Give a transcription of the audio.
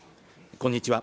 こんにちは。